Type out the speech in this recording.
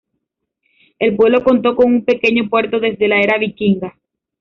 El pueblo contó con un pequeño puerto desde la era vikinga.